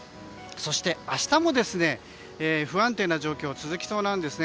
そして明日も、不安定な状況が続きそうなんです。